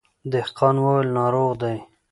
دهقان وويل ناروغ دی.